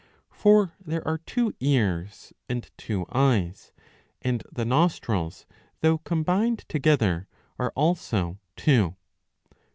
For there are two ears and two eyes, and the nostrils, though combined together, are also two.